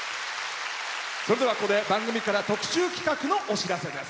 ここで番組から特集企画のお知らせです。